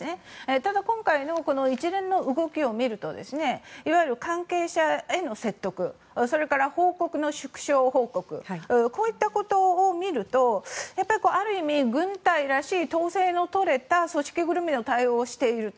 ただ、今回の一連の動きを見るといわゆる関係者への説得それから報告の縮小報告こういったことを見るとある意味、軍隊らしい統制の取れた組織ぐるみの対応をしていると。